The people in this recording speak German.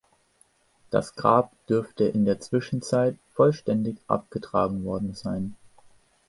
Das Grab dürfte in der Zwischenzeit vollständig abgetragen worden sein.